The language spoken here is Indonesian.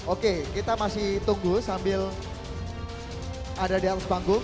oke kita masih tunggu sambil ada di atas panggung